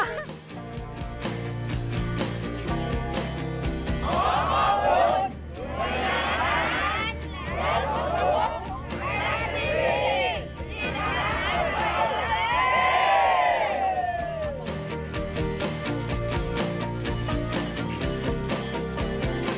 และรัฐสมบูรณ์